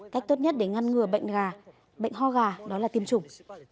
cách tốt nhất để ngăn ngừa bệnh ho gà đó là tiêm chủng